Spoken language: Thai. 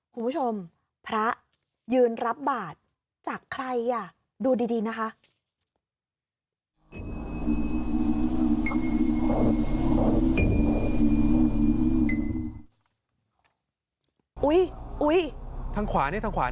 คุณผู้ชมพระยืนรับบาทจากใครอ่ะดูดีนะคะ